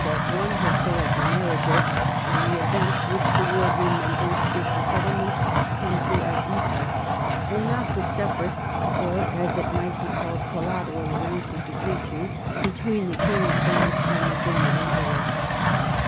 125 as one historical narrative, and the event which the world remembers is the settlement come to at Utrecht, and not the separate, or as it might be called colla teral, arrangement agreed to between the King of France and the German Emperor.